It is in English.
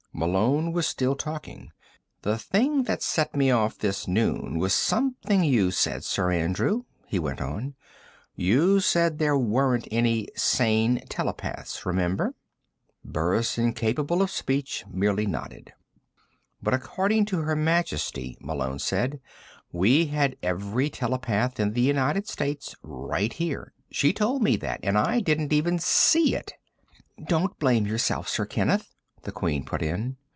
Malone was still talking. "The thing that set me off this noon was something you said, Sir Andrew," he went on. "You said there weren't any sane telepaths remember?" Burris, incapable of speech, merely nodded. "But according to Her Majesty," Malone said, "we had every telepath in the United States right here. She told me that and I didn't even see it!" "Don't blame yourself, Sir Kenneth," the Queen put in.